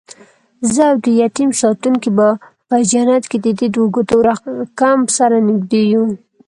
زه اودیتیم ساتونکی به په جنت کې ددې دوو ګوتو رکم، سره نږدې یو